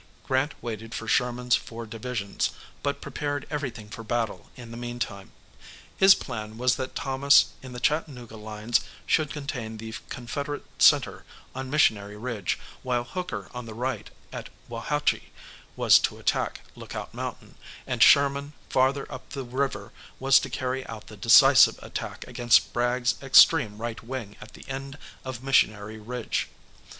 Grant waited for Sherman's four divisions, but prepared everything for battle in the meantime. His plan was that Thomas in the Chattanooga lines should contain the Confederate centre on Missionary Ridge, while Hooker on the right at Wauhatchie was to attack Lookout Mountain, and Sherman farther up the river was to carry out the decisive attack against Bragg's extreme right wing at the end of Missionary Ridgg.